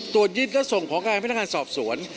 ตรวจยึดก็ส่งของการพนักงานสอบสวน